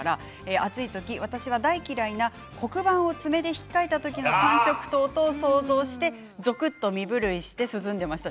暑い時、私は大嫌いな黒板を爪でひっかいた時の感触と音を想像してぞくっと身震いして涼んでいました。